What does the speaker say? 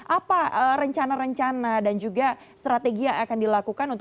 apa rencana rencana dan juga strategi yang akan dilakukan